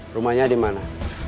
rumahnya di mana